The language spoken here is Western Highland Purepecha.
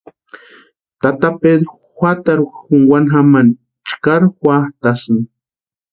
Tata Pedru juatarhu junkwani jamani chkari juatʼasïni.